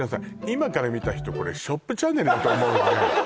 今から見た人これショップチャンネルだと思うわね